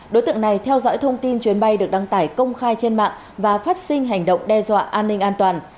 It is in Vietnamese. đối tượng này theo dõi thông tin chuyến bay được đăng tải công khai trên mạng và phát sinh hành động đe dọa an ninh an toàn